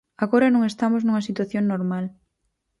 Agora non estamos nunha situación normal.